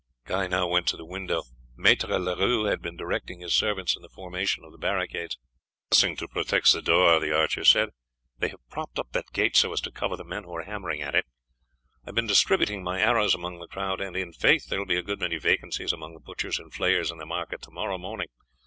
Guy now went to the window. Maître Leroux had been directing his servants in the formation of the barricades. "I can do nothing to protect the door," the archer said; "they have propped up that gate so as to cover the men who are hammering at it. I have been distributing my arrows among the crowd, and in faith there will be a good many vacancies among the butchers and flayers in the market tomorrow morning.